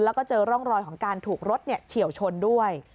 แล้วก็เจอร่องรอยของการถูกรถเฉียวชนด้วย